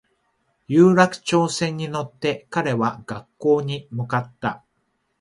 有楽町線に乗って彼は学校に向かった